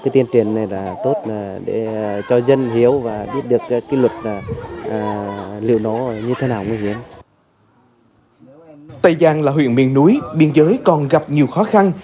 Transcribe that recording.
tây giang là huyện miền núi biên giới còn gặp nhiều khó khăn